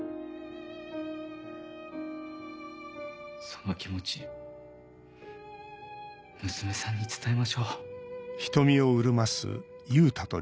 その気持ち娘さんに伝えましょう。